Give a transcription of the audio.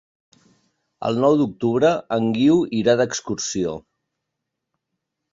El nou d'octubre en Guiu irà d'excursió.